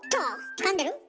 つかんでる。